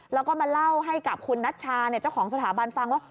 แล้วก็มาเล่าให้กับคุณนัชชาเจ้าของสถาบันฟังว่า